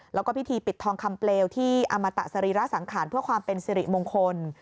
แล้วก็พิธีปิดทองคำเปลวที่อมตะสรีระสังขารเพื่อความเป็นสิริมงคล